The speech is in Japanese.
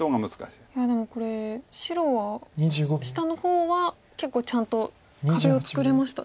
いやでもこれ白は下の方は結構ちゃんと壁を作れましたね。